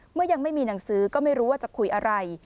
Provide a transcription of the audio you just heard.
ยังไม่มีหนังสือก็ไม่รู้ว่าจะคุยอะไร